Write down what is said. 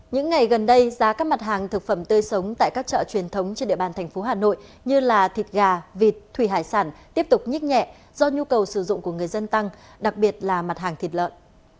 những ngày gần đây giá các mặt hàng thực phẩm tươi sống tại các chợ truyền thống trên địa bàn thành phố hà nội như thịt gà vịt thủy hải sản tiếp tục nhích nhẹ do nhu cầu sử dụng của người dân tăng đặc biệt là mặt hàng thịt lợn